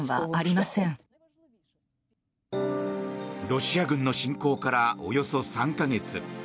ロシア軍の侵攻からおよそ３か月。